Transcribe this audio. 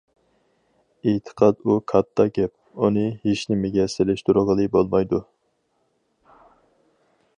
ئېتىقاد ئۇ كاتتا گەپ، ئۇنى ھېچنېمىگە سېلىشتۇرغىلى بولمايدۇ.